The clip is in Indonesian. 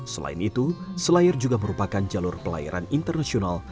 selain itu selayar juga merupakan jalur pelayaran internasional